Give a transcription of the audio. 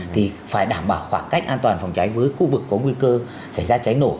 thì phải đảm bảo khoảng cách an toàn phòng cháy với khu vực có nguy cơ xảy ra cháy nổ